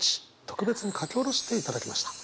特別に書き下ろしていただきました。